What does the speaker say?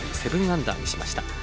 ７アンダーにしました。